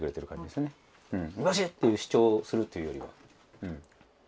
優しく煮干し！っていう主張するというよりは。